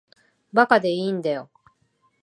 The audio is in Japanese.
馬鹿でいいんだよ。